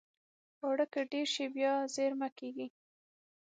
اوړه که ډېر شي، بیا زېرمه کېږي